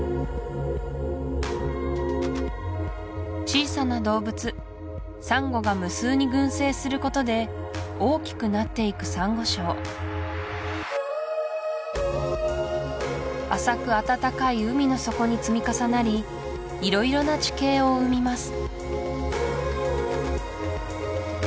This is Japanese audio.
小さな動物サンゴが無数に群生することで大きくなっていくサンゴ礁浅くあたたかい海の底に積み重なり色々な地形を生みます